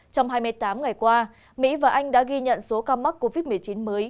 trong hai mươi tám ngày qua mỹ và anh đã ghi nhận số ca mắc covid một mươi chín mới